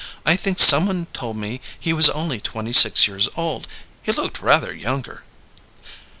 I think someone told me he was only twenty six years old. He looked rather younger."